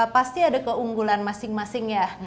pasti ada keunggulan masing masing ya